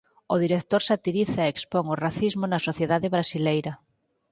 O director satiriza e expón o racismo na sociedade brasileira.